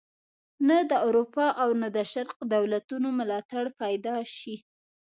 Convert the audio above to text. نه د اروپا او نه د شرق دولتونو ملاتړ پیدا شي.